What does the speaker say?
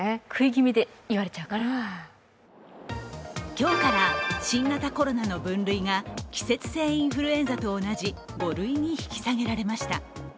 今日から新型コロナの分類が季節性インフルエンザと同じ５類に引き下げられました。